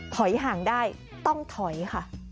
ถอยห่างได้ต้องถอยค่ะ